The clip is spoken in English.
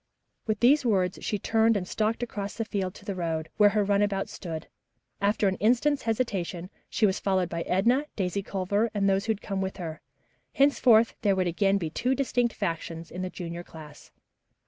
With these words she turned and stalked across the field to the road, where her runabout stood. After an instant's hesitation, she was followed by Edna, Daisy Culver and those who had come with her. Henceforth there would again be two distinct factions in the junior class.